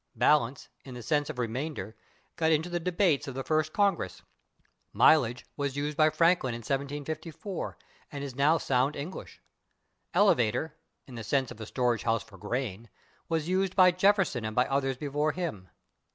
/Balance/, in the sense of remainder, got into the debates of the First Congress. /Mileage/ was used by Franklin in 1754, and is now sound English. /Elevator/, in the sense of a storage house for grain, was used by Jefferson and by others before him.